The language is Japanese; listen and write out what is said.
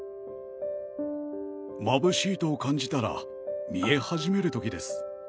まぶしいと感じたら見え始める時です。